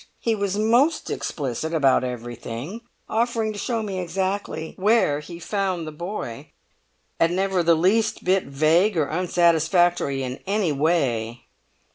He was most explicit about everything, offering to show me exactly where he found the boy, and never the least bit vague or unsatisfactory in any way.